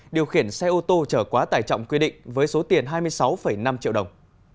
điều khiển xe ô tô trở quá tải trọng quy định với số tiền hai mươi sáu năm triệu đồng